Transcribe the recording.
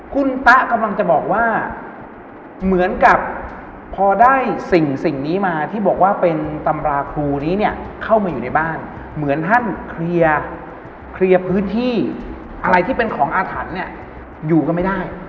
คุณตะกำลังจะบอกว่าเหมือนกับพอได้สิ่งนี้มาที่บอกว่าเป็นตำราครูนี้เนี่ยเข้ามาอยู่ในบ้านเหมือนท่านเคลียร์พื้นที่อะไรที่เป็นของอาถรรพ์เนี่ยอยู่กันไม่ได้